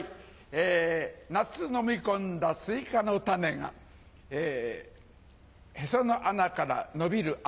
夏飲み込んだスイカの種がへその穴から伸びる秋。